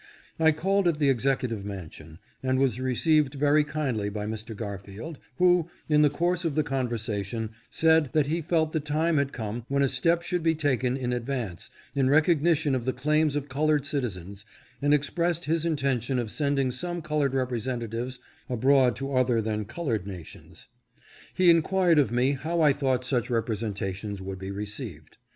I called at the executive mansion, and was received very kindly by Mr. Garfield, who, in the course of the conversation, said, that he felt the time had come when a step should be taken in advance, in recognition of the claims of colored citizens, and expressed his intention of sending some colored representatives abroad to other than colored nations. He enquired of me how I thought such representations would be received